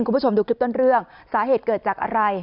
คุณผู้ชมดูคลิปต้นเรื่องสาเหตุเกิดจากอะไร